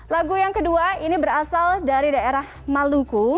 lagu yang kedua ini berasal dari daerah maluku